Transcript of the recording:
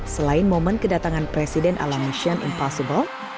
selain momen kedatangan presiden ala michsian impossible